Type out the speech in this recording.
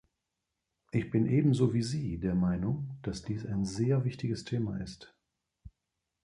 Ich bin ebenso wie sie der Meinung, dass dies ein sehr wichtiges Thema ist.